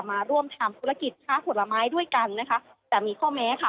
มาร่วมทำธุรกิจค้าผลไม้ด้วยกันนะคะแต่มีข้อแม้ค่ะ